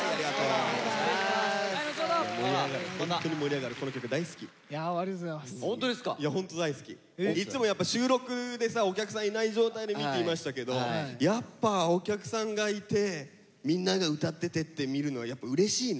いつもやっぱ収録でさお客さんいない状態で見ていましたけどやっぱお客さんがいてみんなが歌っててって見るのはやっぱうれしいね。